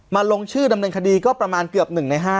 ลงชื่อดำเนินคดีก็ประมาณเกือบ๑ใน๕